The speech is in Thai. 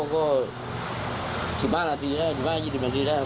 สักพักก็หายไปกันเรื่องเงินแล้วก็กลายเป็นว่ามีเหตุทำร้ายกันอีกรอบหนึ่งค่ะ